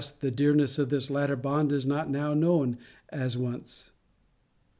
the dearness of this latter bond is not now known as once.